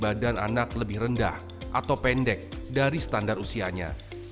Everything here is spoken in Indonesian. badan anak lebih rendah atau pendek dari standar usianya